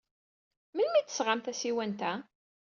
Melmi ay d-tesɣam tasiwant-a?